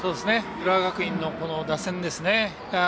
浦和学院の打線ですね。